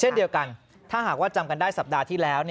เช่นเดียวกันถ้าหากว่าจำกันได้สัปดาห์ที่แล้ว